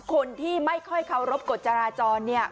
คนที่ไม่ค่อยเคารพกฎจราจรเนี่ย